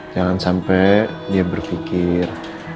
jangan sampe dia berpikir